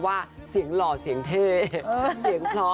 ไม่เชื่อไปฟังกันหน่อยค่ะ